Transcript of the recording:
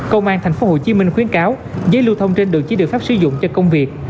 công an thành phố hồ chí minh khuyến cáo giấy lưu thông trên đường chỉ được pháp sử dụng cho công việc